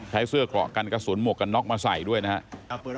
เสื้อเกราะกันกระสุนหมวกกันน็อกมาใส่ด้วยนะครับ